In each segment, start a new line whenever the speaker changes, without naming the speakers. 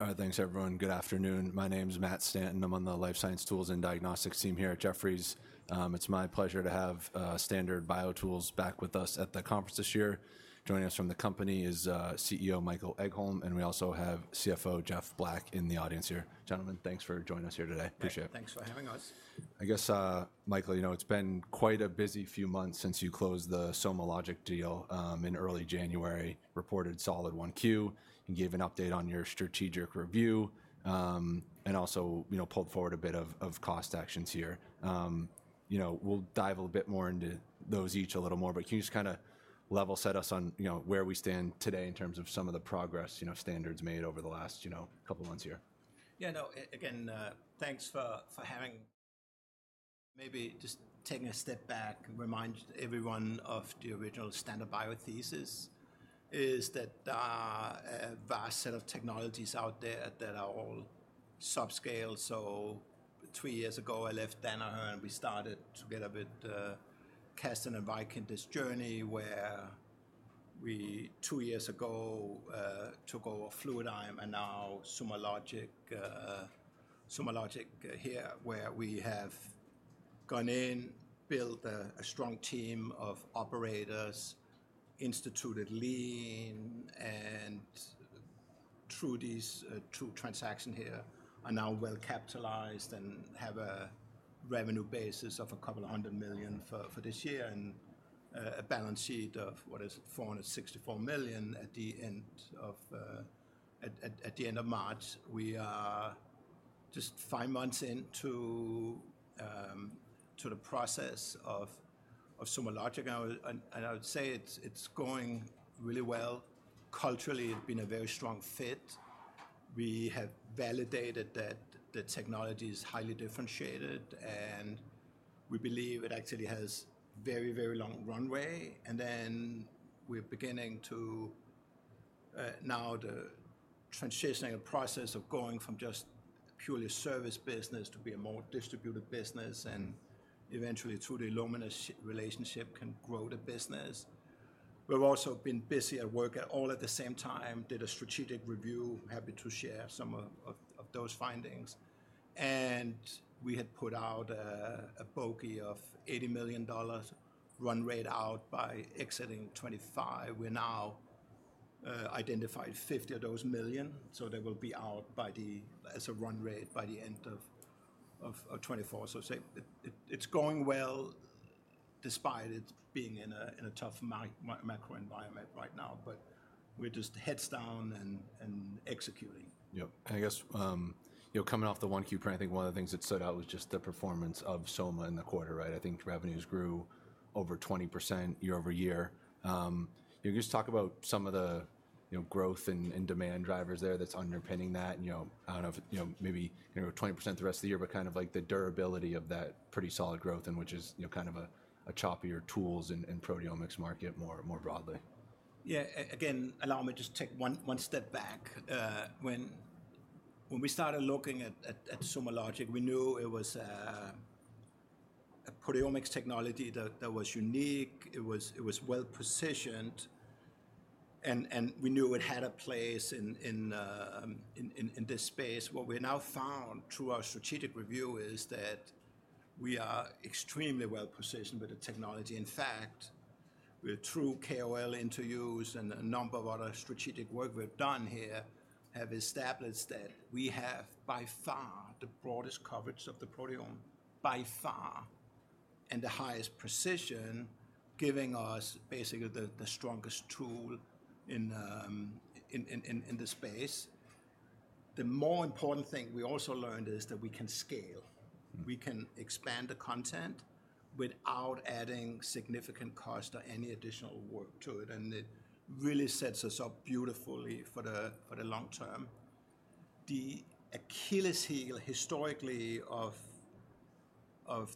All right, thanks everyone. Good afternoon. My name is Matt Stanton. I'm on the life science tools and diagnostics team here at Jefferies. It's my pleasure to have Standard BioTools back with us at the conference this year. Joining us from the company is CEO Michael Egholm, and we also have CFO Jeff Black in the audience here. Gentlemen, thanks for joining us here today. Appreciate it.
`Thanks for having us.
I guess, Michael, you know, it's been quite a busy few months since you closed the SomaLogic deal in early January, reported solid 1Q, and gave an update on your strategic review. And also, you know, pulled forward a bit of cost actions here. You know, we'll dive a little bit more into those each a little more, but can you just kinda level set us on, you know, where we stand today in terms of some of the progress, you know, Standard's made over the last, you know, couple months here?
Yeah, no, again, thanks for having... Maybe just taking a step back, remind everyone of the original Standard BioTools thesis, is that there are a vast set of technologies out there that are all subscale. So three years ago, I left Danaher, and we started together with Casdin and Viking, this journey where we, two years ago, took over Fluidigm and now SomaLogic. SomaLogic here, where we have gone in, built a strong team of operators, instituted Lean, and through these two transactions here, are now well-capitalized and have a revenue basis of a couple of $100 million for this year, and a balance sheet of, what is it? $464 million at the end of March. We are just five months into the process of SomaLogic, and I would say it's going really well. Culturally, it's been a very strong fit. We have validated that the technology is highly differentiated, and we believe it actually has very, very long runway, and then we're beginning to now the transitioning process of going from just purely a service business to be a more distributed business and eventually, through the Illumina relationship, can grow the business. We've also been busy at work all at the same time, did a strategic review. Happy to share some of those findings. And we had put out a bogey of $80 million run rate out by exiting 2025. We now identified 50 of those million, so they will be out as a run rate by the end of 2024. So, say, it's going well, despite it being in a tough macro environment right now, but we're just heads down and executing.
Yep. I guess, you know, coming off the 1Q print, I think one of the things that stood out was just the performance of Soma in the quarter, right? I think revenues grew over 20% year-over-year. Can you just talk about some of the, you know, growth and, and demand drivers there that's underpinning that? And, you know, I don't know if, you know, maybe, you know, 20% the rest of the year, but kind of like the durability of that pretty solid growth and which is, you know, kind of a, a choppier tools in, in proteomics market more, more broadly.
Yeah. Again, allow me just take one step back. When we started looking at SomaLogic, we knew it was a proteomics technology that was unique, it was well-positioned, and we knew it had a place in this space. What we now found through our strategic review is that we are extremely well-positioned with the technology. In fact, we're through KOL interviews and a number of other strategic work we've done here, have established that we have by far the broadest coverage of the proteome, by far, and the highest precision, giving us basically the strongest tool in the space. The more important thing we also learned is that we can scale. We can expand the content without adding significant cost or any additional work to it, and it really sets us up beautifully for the long term. The Achilles heel, historically, of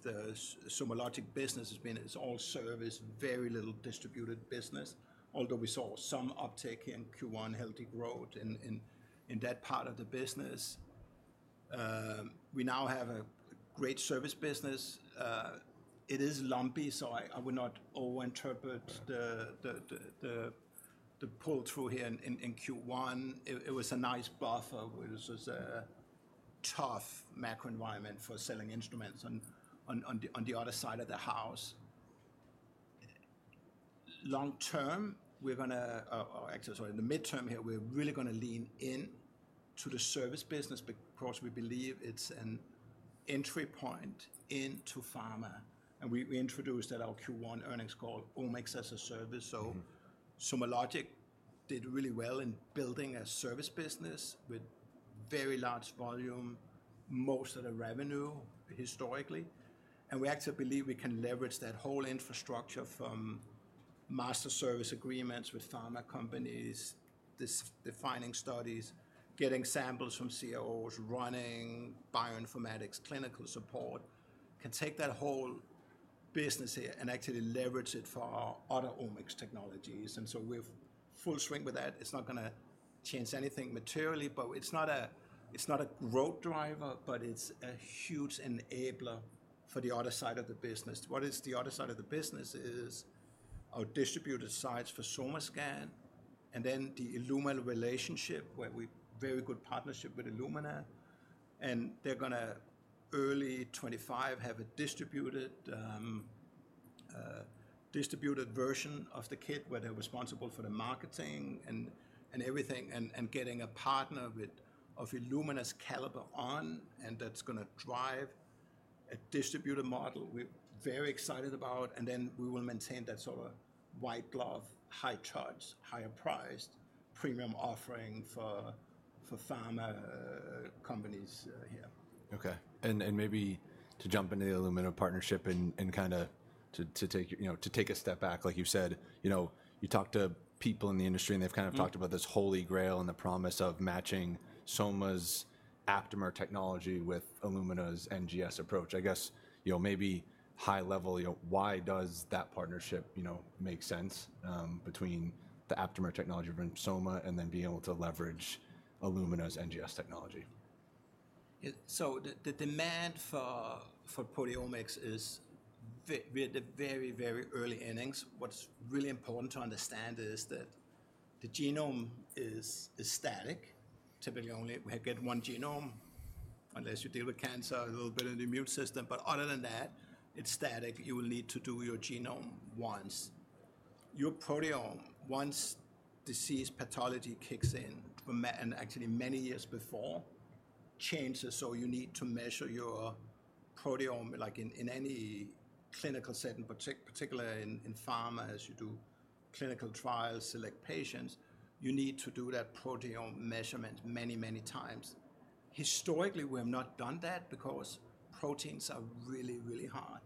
the SomaLogic business has been it's all service, very little distributed business, although we saw some uptick in Q1, healthy growth in that part of the business. We now have a great service business. It is lumpy, so I would not overinterpret the pull-through here in Q1. It was a nice buffer, which was a tough macro environment for selling instruments on the other side of the house. Long term, we're gonna or actually, sorry, in the midterm here, we're really gonna lean into the service business because we believe it's an entry point into pharma, and we, we introduced at our Q1 earnings call, Omics as a Service. SomaLogic did really well in building a service business with very large volume, most of the revenue historically, and we actually believe we can leverage that whole infrastructure from master service agreements with pharma companies, these defining studies, getting samples from CROs, running bioinformatics, clinical support, can take that whole business here and actually leverage it for our other omics technologies, and so we're in full swing with that. It's not gonna change anything materially, but it's not a, it's not a revenue driver, but it's a huge enabler for the other side of the business. What is the other side of the business is.our distributor sites for SomaScan, and then the Illumina relationship, where we've very good partnership with Illumina, and they're gonna, early 2025, have a distributed version of the kit, where they're responsible for the marketing and everything, and getting a partner of Illumina's caliber on, and that's gonna drive a distributor model. We're very excited about, and then we will maintain that sort of white glove, high charge, higher priced premium offering for pharma companies here.
Okay, and maybe to jump into the Illumina partnership and kinda to take a step back, like you've said, you know, you talk to people in the industry, and they've- kind of talked about this holy grail and the promise of matching Soma's aptamer technology with Illumina's NGS approach. I guess, you know, maybe high level, you know, why does that partnership, you know, make sense, between the aptamer technology from Soma and then being able to leverage Illumina's NGS technology?
Yeah, so the demand for proteomics is. We're at the very, very early innings. What's really important to understand is that the genome is static. Typically, only we get one genome, unless you deal with cancer, a little bit of the immune system, but other than that, it's static. You will need to do your genome once. Your proteome, once disease pathology kicks in, and actually many years before, changes, so you need to measure your proteome, like in any clinical setting, particularly in pharma, as you do clinical trials, select patients. You need to do that proteome measurement many, many times. Historically, we have not done that because proteins are really, really hard.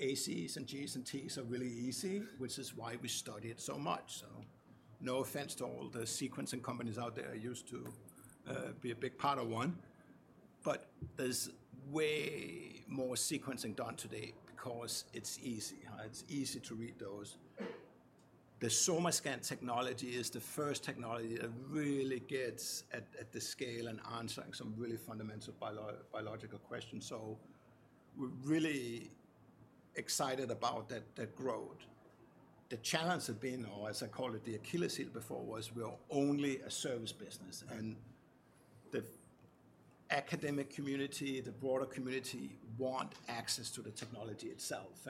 A, Cs, and Gs, and Ts are really easy, which is why we study it so much. So no offense to all the sequencing companies out there. I used to be a big part of one, but there's way more sequencing done today because it's easy, huh? It's easy to read those. The SomaScan technology is the first technology that really gets at the scale and answering some really fundamental biological questions, so we're really excited about that growth. The challenge has been, or as I called it, the Achilles heel before, was we're only a service business, and the academic community, the broader community, want access to the technology itself.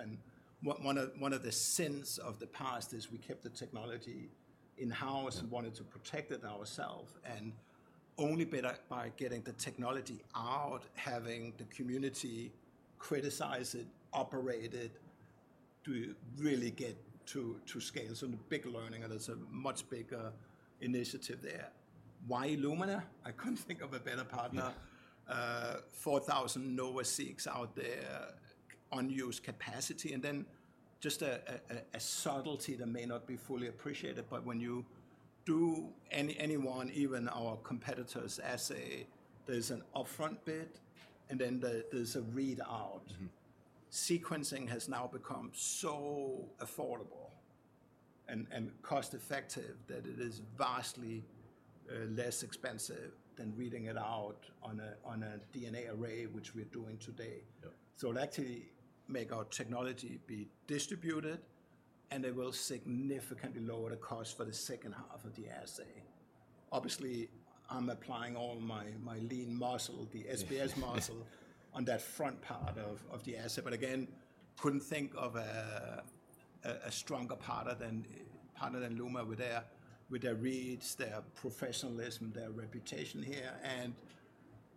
And one of the sins of the past is we kept the technology in-house and wanted to protect it ourselves, and only by getting the technology out, having the community criticize it, operate it, do you really get to scale. So the big learning, and there's a much bigger initiative there. Why Illumina? I couldn't think of a better partner. 4,000 NovaSeqs out there, unused capacity, and then just a subtlety that may not be fully appreciated, but when you do any one, even our competitor's assay, there's an upfront bit, and then there's a readout sequencing has now become so affordable and cost-effective that it is vastly less expensive than reading it out on a DNA array, which we're doing today. So it'll actually make our technology be distributed, and it will significantly lower the cost for the second half of the assay. Obviously, I'm applying all my lean muscle... the SBS muscle, on that front part of the assay, but again, couldn't think of a stronger partner than Illumina with their reads, their professionalism, their reputation here, and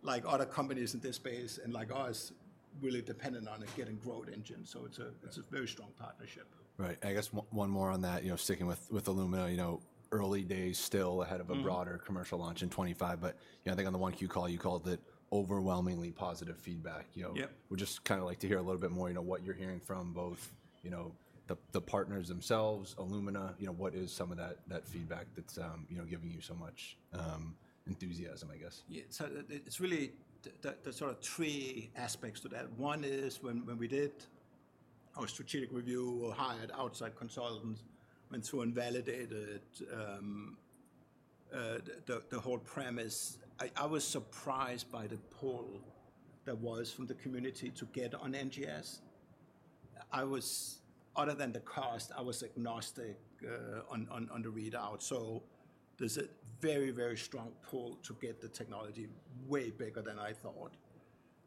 like other companies in this space and like ours, really dependent on a getting growth engine. So it's it's a very strong partnership.
Right. I guess one more on that, you know, sticking with Illumina, you know, early days still ahead of a broader commercial launch in 2025, but, you know, I think on the 1Q call, you called it overwhelmingly positive feedback, you know?
Yep.
Would just kinda like to hear a little bit more, you know, what you're hearing from both, you know, the partners themselves, Illumina. You know, what is some of that, that feedback that's, you know, giving you so much, enthusiasm, I guess?
Yeah, so it's really the, there's sort of three aspects to that. One is when we did our strategic review, we hired outside consultants went through and validated the whole premise. I was surprised by the pull that was from the community to get on NGS. I was—other than the cost, I was agnostic on the readout, so there's a very, very strong pull to get the technology way bigger than I thought.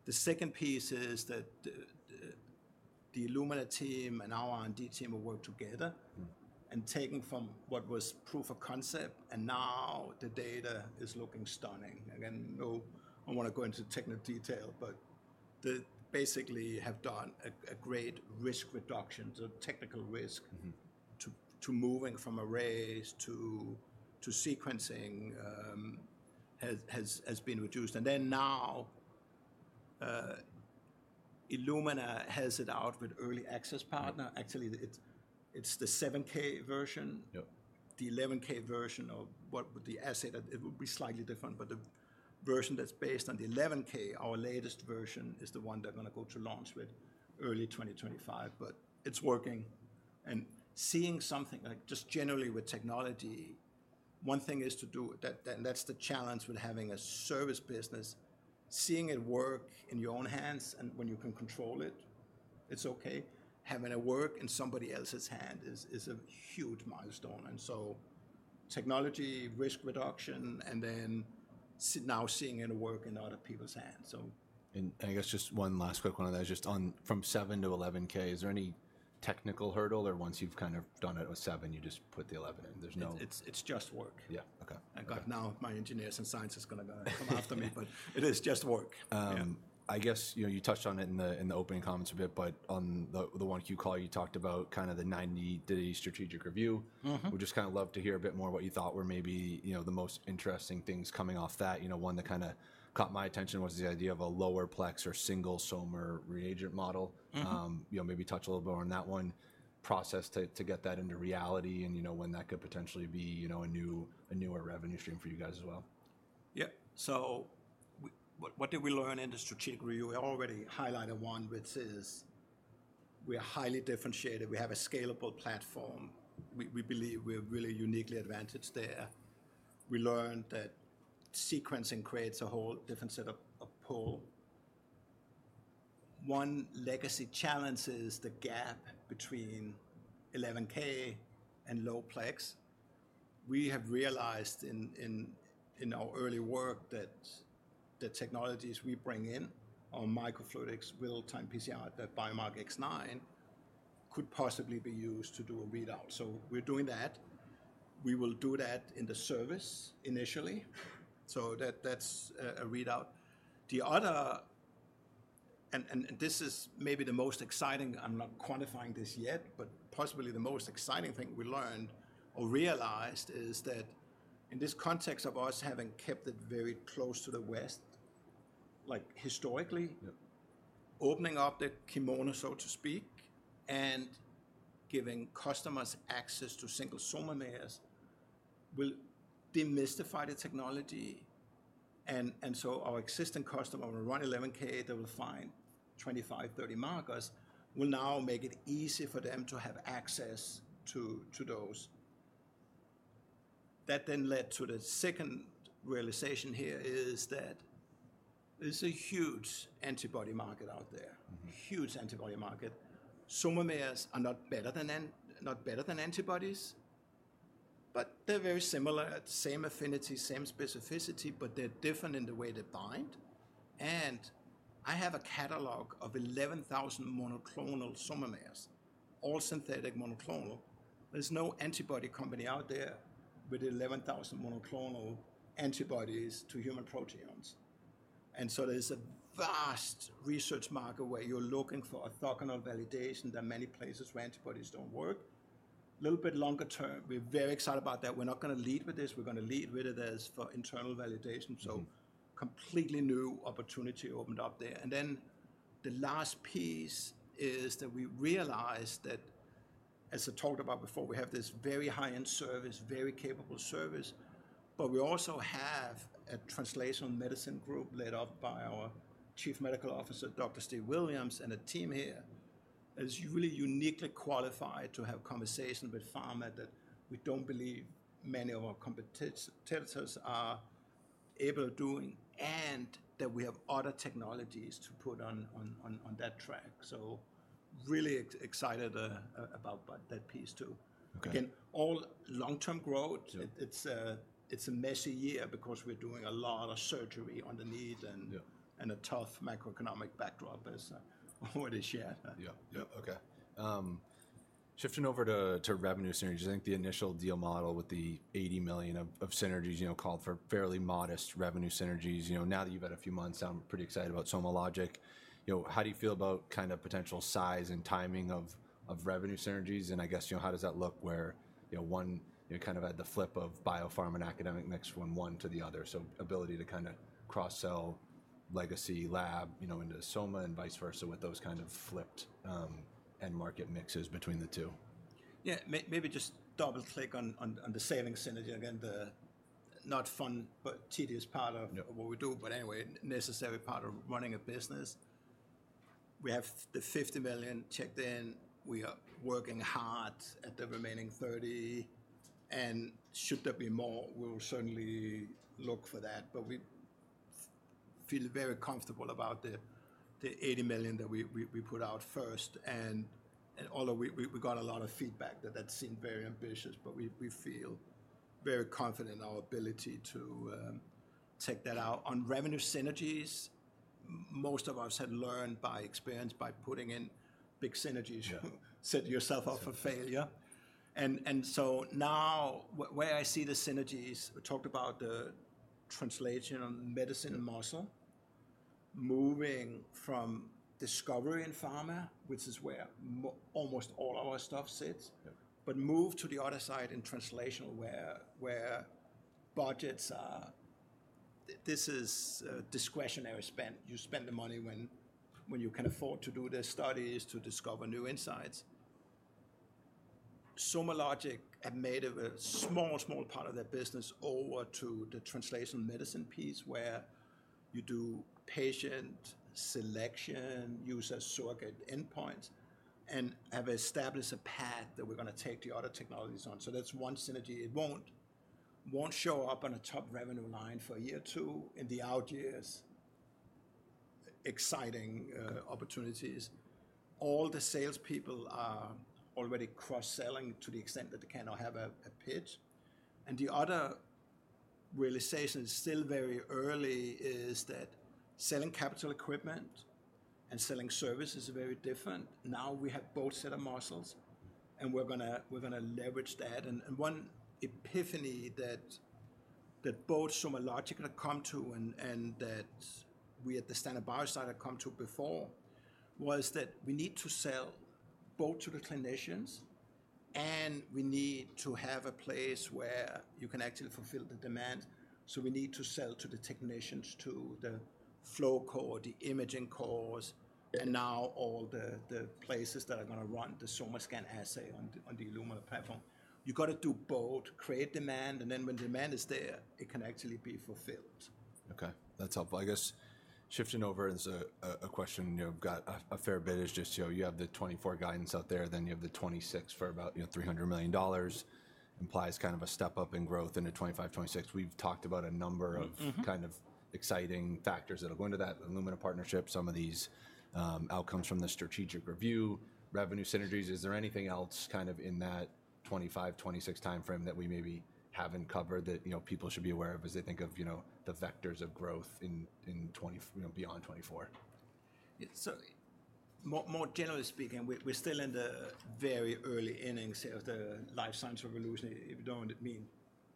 The second piece is that the Illumina team and our R&D team will work together and taking from what was proof of concept, and now the data is looking stunning. Again, no, I don't wanna go into technical detail, but they basically have done a great risk reduction, the technical risk to moving from arrays to sequencing has been reduced. And then now, Illumina has it out with early access partner.
Yep.
Actually, it's, it's the 7,000 version.
Yep.
The 11,000 version of what with the assay that it would be slightly different, but the version that's based on the 11,000, our latest version, is the one they're gonna go to launch with early 2025. But it's working, and seeing something like just generally with technology, one thing is to do that, that, and that's the challenge with having a service business, seeing it work in your own hands, and when you can control it, it's okay. Having it work in somebody else's hand is a huge milestone, and so technology, risk reduction, and then so now seeing it work in other people's hands, so.
I guess just one last quick one on that, just on from 7,000-11,000, is there any technical hurdle, or once you've kind of done it with 7,000, you just put the 11,000 in, there's no-
It's just work.
Yeah. Okay. Got it.
Now my engineers and science is gonna come after me, but it is just work.
I guess, you know, you touched on it in the opening comments a bit, but on the 1Q call, you talked about kind of the 90-day strategic review. Would just kind of love to hear a bit more what you thought were maybe, you know, the most interesting things coming off that. You know, one that kind of caught my attention was the idea of a lower plex or single SOMAmer reagent model You know, maybe touch a little bit on that one process to get that into reality and, you know, when that could potentially be, you know, a new, a newer revenue stream for you guys as well.
Yeah. So what did we learn in the strategic review? I already highlighted one, which is we are highly differentiated. We have a scalable platform. We believe we're really uniquely advantaged there. We learned that sequencing creates a whole different set of pull. One legacy challenge is the gap between 11K and low plex. We have realized in our early work that the technologies we bring in on microfluidics real-time PCR, that Biomark X9 could possibly be used to do a readout. So we're doing that. We will do that in the service initially. So that, that's a readout. The other... and this is maybe the most exciting, I'm not quantifying this yet, but possibly the most exciting thing we learned or realized is that in this context of us having kept it very close to the vest, like historically opening up the kimono, so to speak, and giving customers access to single SOMAmers will demystify the technology, and so our existing customer will run 11,000, they will find 25-30 markers, will now make it easy for them to have access to those. That then led to the second realization here is that there's a huge antibody market out there, huge antibody market. SOMAmers are not better than antibodies, but they're very similar, same affinity, same specificity, but they're different in the way they bind, and I have a catalog of 11,000 monoclonal SOMAmers, all synthetic monoclonal. There's no antibody company out there with 11,000 monoclonal antibodies to human proteins, and so there's a vast research market where you're looking for orthogonal validation. There are many places where antibodies don't work. Little bit longer term, we're very excited about that. We're not gonna lead with this. We're gonna lead with it as for internal validation so completely new opportunity opened up there. And then the last piece is that we realized that, as I talked about before, we have this very high-end service, very capable service, but we also have a translational medicine group led off by our Chief Medical Officer, Dr. Steve Williams, and a team here that is really uniquely qualified to have conversations with pharma, that we don't believe many of our competitors are able of doing, and that we have other technologies to put on that track. So really excited about that piece, too.
Okay.
Again, all long-term growth.
Yeah.
It's a messy year because we're doing a lot of surgery on the need and a tough macroeconomic backdrop, but it's more this year.
Yeah.
Yeah.
Okay. Shifting over to revenue synergies, I think the initial deal model with the $80 million of synergies, you know, called for fairly modest revenue synergies. You know, now that you've had a few months out, I'm pretty excited about SomaLogic. You know, how do you feel about kind of potential size and timing of revenue synergies? And I guess, you know, how does that look where, you know, one, you kind of had the flip of biopharma and academic mix from one to the other, so ability to kind of cross-sell legacy lab, you know, into Soma and vice versa with those kind of flipped end market mixes between the two? Yeah, maybe just double-click on the savings synergy again, the not fun, but tedious part of what we do, but anyway, necessary part of running a business. We have the $50 million checked in. We are working hard at the remaining $30 million, and should there be more, we'll certainly look for that. But we feel very comfortable about the $80 million that we put out first, and although we got a lot of feedback that seemed very ambitious, but we feel very confident in our ability to take that out. On revenue synergies, most of us have learned by experience, by putting in big synergies set yourself up for failure. And so now where I see the synergies, we talked about the translational medicine and muscle, moving from discovery in pharma, which is where almost all our stuff sits but move to the other side in translational where budgets are... This is discretionary spend. You spend the money when you can afford to do the studies to discover new insights. SomaLogic have made a very small, small part of their business over to the translational medicine piece, where... you do patient selection, use as surrogate endpoints, and have established a path that we're gonna take the other technologies on. So that's one synergy. It won't show up on a top revenue line for year two, in the out years, exciting opportunities. All the salespeople are already cross-selling to the extent that they cannot have a pitch. And the other realization is still very early, that selling capital equipment and selling service is very different. Now, we have both set of muscles, and we're gonna leverage that. One epiphany that both SomaLogic have come to, and that we at Standard BioTools have come to before, was that we need to sell both to the clinicians, and we need to have a place where you can actually fulfill the demand. So we need to sell to the technicians, to the flow core, the imaging cores, and now all the places that are gonna run the SomaScan assay on the Illumina platform. You've got to do both: create demand, and then when demand is there, it can actually be fulfilled. Okay, that's helpful. I guess shifting over is a question, you know, got a fair bit is just, you know, you have the 2024 guidance out there, then you have the 2026 for about, you know, $300 million. Implies kind of a step-up in growth into 2025, 2026. We've talked about a number of kind of exciting factors that'll go into that Illumina partnership, some of these, outcomes from the strategic review, revenue synergies. Is there anything else kind of in that 2025, 2026 timeframe that we maybe haven't covered that, you know, people should be aware of as they think of, you know, the vectors of growth in, in twenty, you know, beyond 2024?
Yeah. So more, more generally speaking, we're, we're still in the very early innings of the life science revolution, if you don't mean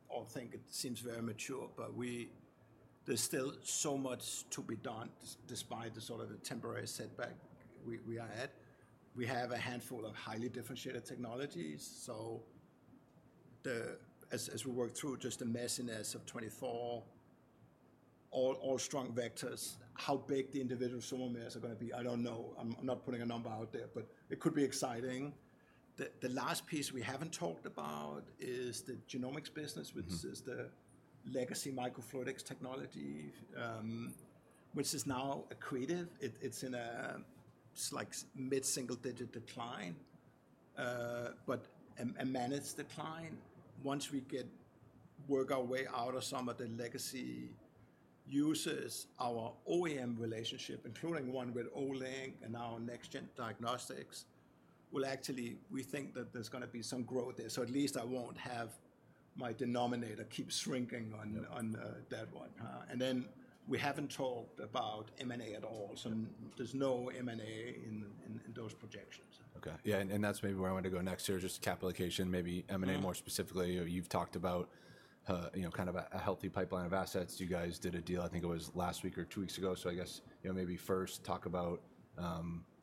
or think it seems very mature. But we—there's still so much to be done despite the sort of the temporary setback we, we are at. We have a handful of highly differentiated technologies, so the... As, as we work through just the messiness of 2024, all, all strong vectors. How big the individual SOMAmers are gonna be, I don't know. I'm, I'm not putting a number out there, but it could be exciting. The, the last piece we haven't talked about is the genomics business which is the legacy microfluidics technology, which is now accretive. It's in a like mid-single-digit decline, but a managed decline. Work our way out of some of the legacy uses, our OEM relationship, including one with Olink and now Next Gen Diagnostics, will actually, we think that there's gonna be some growth there. So at least I won't have my denominator keep shrinking on, that one. And then we haven't talked about M&A at all. So there's no M&A in those projections.
Okay. Yeah, and that's maybe where I wanted to go next here, just capital allocation, maybe M&A more specifically. You've talked about, you know, kind of a healthy pipeline of assets. You guys did a deal, I think it was last week or two weeks ago. So I guess, you know, maybe first talk about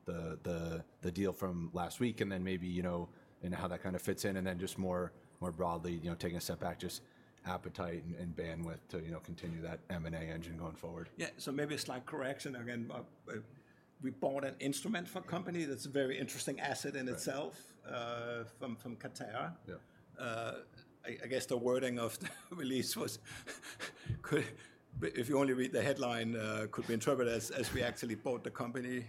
the deal from last week, and then maybe, you know, and how that kind of fits in, and then just more broadly, you know, taking a step back, just appetite and bandwidth to, you know, continue that M&A engine going forward.
Yeah. So maybe a slight correction. Again, we bought an instrument for a company that's a very interesting asset in itself-from Carterra.
Yeah.
I guess the wording of the release was... If you only read the headline, it could be interpreted as we actually bought the company.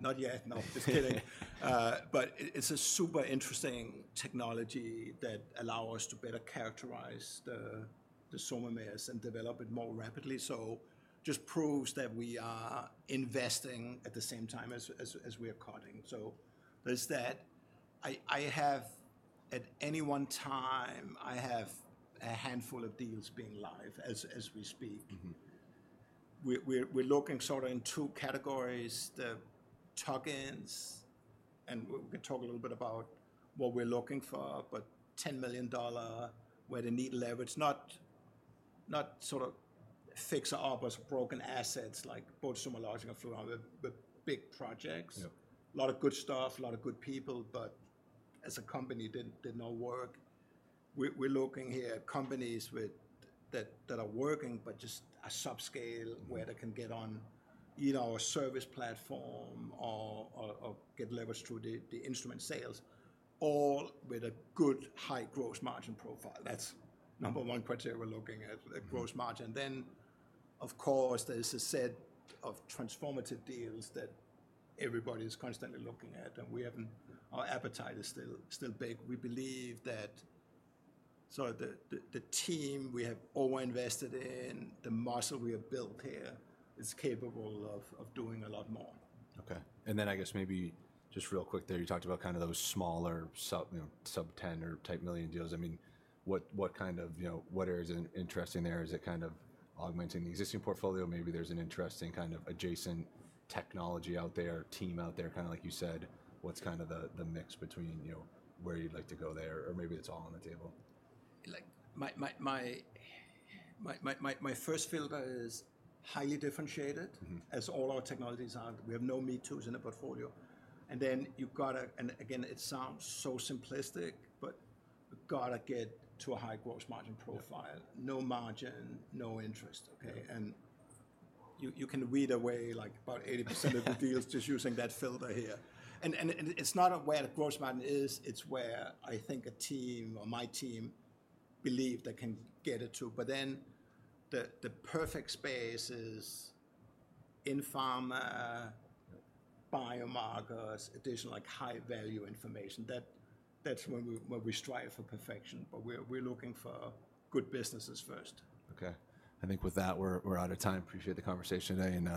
Not yet. No, just kidding. But it's a super interesting technology that allow us to better characterize the SOMAmers and develop it more rapidly. So just proves that we are investing at the same time as we are cutting. So there's that. I have, at any one time, a handful of deals being live as we speak. We're looking sort of in two categories, the tuck-ins, and we can talk a little bit about what we're looking for, but $10 million where they need leverage, not sort of fixer uppers, broken assets like both SomaLogic and Fluidigm, but big projects. A lot of good stuff, a lot of good people, but as a company, did not work. We're looking here at companies with-- that are working, but just a subscale where they can get on either our service platform or get leverage through the instrument sales, all with a good high gross margin profile. That's number one criteria we're looking a the gross margin. Then, of course, there's a set of transformative deals that everybody is constantly looking at, and we haven't, our appetite is still big. We believe that. So the team we have overinvested in, the muscle we have built here is capable of doing a lot more.
Okay. Then I guess maybe just real quick there, you talked about kind of those smaller sub-$10 million, you know, sub-$10 million or $10 million deals. I mean, what kind of... You know, what is interesting there? Is it kind of augmenting the existing portfolio? Maybe there's an interesting kind of adjacent technology out there, team out there, kinda like you said. What's kind of the mix between, you know, where you'd like to go there, or maybe it's all on the table?
Like my first filter is highly differentiated as all our technologies are. We have no me-toos in the portfolio. And then you've got to, and again, it sounds so simplistic, but we've got to get to a high gross margin profile.
Yeah.
No margin, no interest, okay?
Yeah.
You can weed away, like, about 80% of the deals just using that filter here. And it's not where the gross margin is, it's where I think a team or my team believe they can get it to. But then the perfect space is in pharma, biomarkers, additional, like, high-value information, that's when we, when we strive for perfection, but we're looking for good businesses first.
Okay. I think with that, we're out of time. Appreciate the conversation today, and